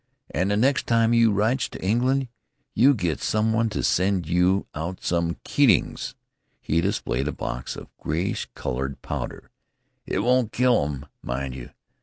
An' the next time you writes to England, get some one to send you out some Keatings" he displayed a box of grayish colored powder. "It won't kill 'em, mind you!